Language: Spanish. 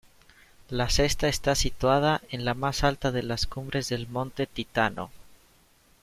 La Cesta está situado en la más alta de las cumbres del Monte Titano.